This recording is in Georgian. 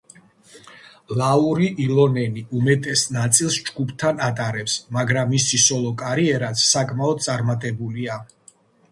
ლაური ილონენი უმეტეს ნაწილს ჯგუფთან ატარებს, მაგრამ მისი სოლო კარიერაც საკმაოდ წარმატებულია.